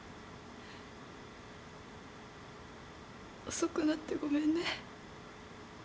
遅くなってごめんね。